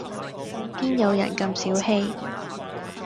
邊有人咁小器